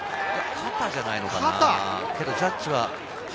肩じゃないのかな？